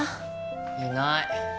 いない。